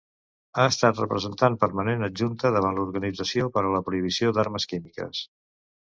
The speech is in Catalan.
Ha estat representant permanent adjunta davant l'Organització per a la Prohibició d'Armes Químiques.